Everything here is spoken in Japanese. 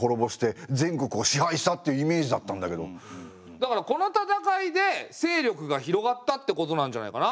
だからこの戦いで勢力が広がったってことなんじゃないかな？